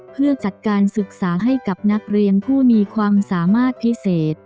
เพื่อจัดการศึกษาให้กับนักเรียนผู้มีความสามารถพิเศษ